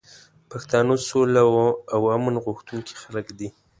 پښتانه سوله او امن غوښتونکي خلک دي.